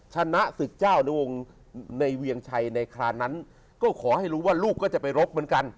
ชนะศึกเจ้าในองค์ในเวียงชัยในครานนั้นก็ขอให้รู้ว่าลูกก็จะไปรบเหมือนกัน